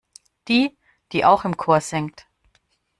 Die, die auch im Chor singt.